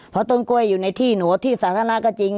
เพราะต้นกล้วยอยู่ในที่หนูที่สาธารณะก็จริง